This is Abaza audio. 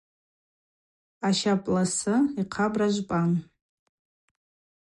Ащапӏласы йхъабра жвпӏан.